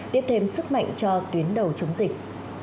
đếp thêm sức mạnh cho tuyến đầu chống dịch